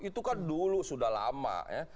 itu kan dulu sudah lama ya